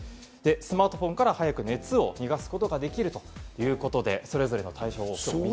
スマートフォンから早く熱を逃がすことができるということで、それぞれの対処法です。